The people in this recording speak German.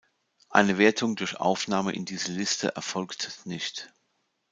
Eine Wertung durch Aufnahme in diese Liste erfolgt nicht.